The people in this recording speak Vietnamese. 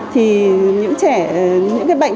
thì những trẻ những cái bệnh